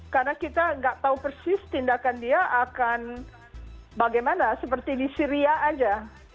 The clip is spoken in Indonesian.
karena kita tidak tahu persis tindakan dia akan bagaimana seperti di syria saja